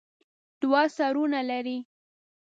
دوه سرونه لري.